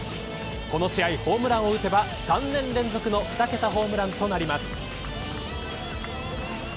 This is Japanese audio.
この試合、ホームランを打てば３年連続の二桁ホームランとなります。